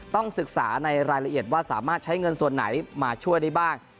ต้องศึกษาในรายละเอียดว่าสามารถใช้เงินส่วนไหนมาช่วยได้บ้าง